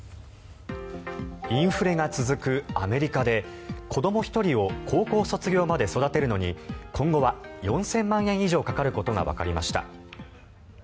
インフレが続くアメリカで子ども１人を高校卒業まで育てるのに今後は４０００万円以上かかることがわかりました。